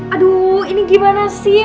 aduh ini gimana sih